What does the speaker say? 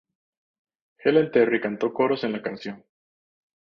Helen Terry cantó coros en la canción.